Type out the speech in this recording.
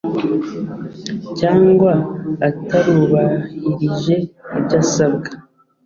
cyangwa atarubahirije ibyo asabwa